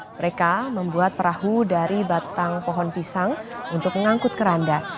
mereka membuat perahu dari batang pohon pisang untuk mengangkut keranda